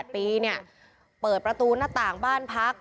พ่อหยิบมีดมาขู่จะทำร้ายแม่